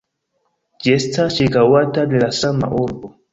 Ĝi estas ĉirkaŭata de la sama urbo.